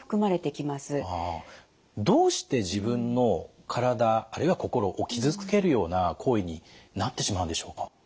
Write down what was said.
どうして自分の体あるいは心を傷つけるような行為になってしまうんでしょうか？